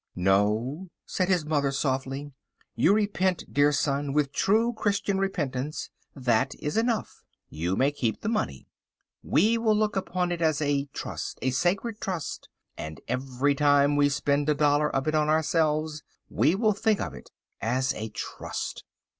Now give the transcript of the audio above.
"No," said his mother softly. "You repent, dear son, with true Christian repentance. That is enough. You may keep the money. We will look upon it as a trust, a sacred trust, and every time we spend a dollar of it on ourselves we will think of it as a trust."